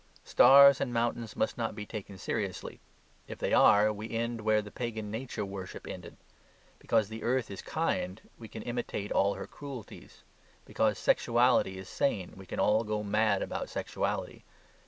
Stars and mountains must not be taken seriously. If they are, we end where the pagan nature worship ended. Because the earth is kind, we can imitate all her cruelties. Because sexuality is sane, we can all go mad about sexuality.